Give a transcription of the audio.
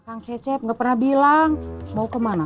kang cecep nggak pernah bilang mau kemana